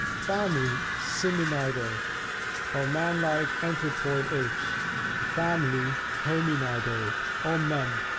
Family Simiidae (man like or anthropoid apes). Family Hominidae (men).